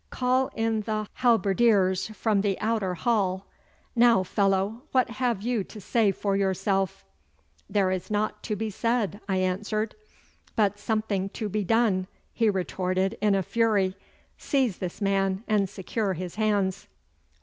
Call in the halberdiers from the outer hall! Now, fellow, what have you to say for yourself?' 'There is naught to be said,' I answered. 'But something to be done,' he retorted in a fury. 'Seize this man and secure his hands!